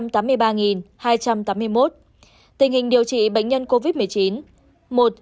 tình hình điều trị bệnh nhân covid một mươi chín